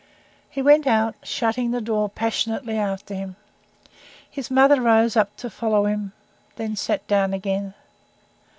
He went out, shutting the door passionately after him. His mother rose up to follow him then sat down again.